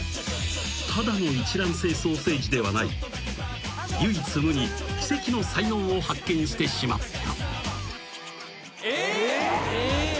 ［ただの一卵性双生児ではない唯一無二奇跡の才能を発見してしまった］